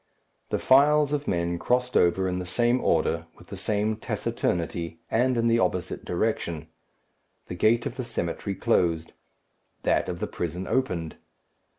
The files of men crossed over in the same order, with the same taciturnity, and in the opposite direction. The gate of the cemetery closed. That of the prison opened.